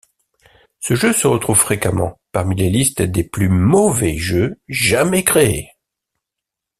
Ce jeu se retrouve fréquemment parmi les listes des plus mauvais jeux jamais créés.